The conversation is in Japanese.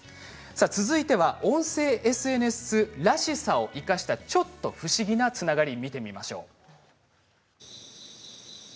続いては、音声ＳＮＳらしさを生かしたちょっと不思議なつながりです。